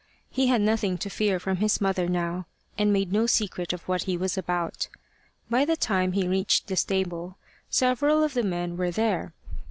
He had nothing to fear from his mother now, and made no secret of what he was about. By the time he reached the stable, several of the men were there.